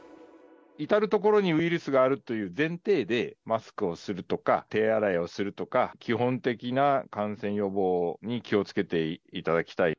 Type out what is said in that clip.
至る所にウイルスがあるという前提でマスクをするとか手洗いをするとか、基本的な感染予防に気をつけていただきたい。